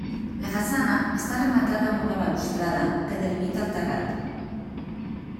La façana està rematada amb una balustrada que delimita el terrat.